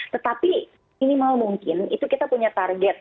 tetapi minimal mungkin itu kita punya target